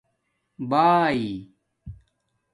بآݺی